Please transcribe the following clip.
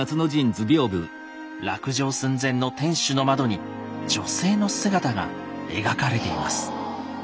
落城寸前の天守の窓に女性の姿が描かれています。